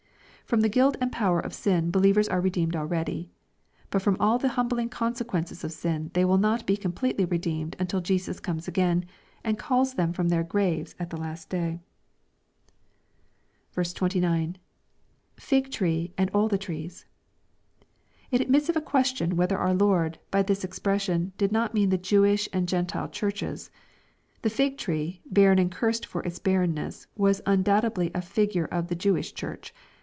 Erom the guilt and power of sin believers are redeemed already. But from all the hum bling consequences of sin they will not be completely redeemed until Jesus comes again, and calls them from their graves at the last day. 29. — [Fig tree and aU ihe trees.] It admits of a question whether our Lord, by this expression, did not mean the Jewish and Gentile Churches. The fig tree, barren and cursed for its barrenness, was undoubtedly a figure of the Jewish Church.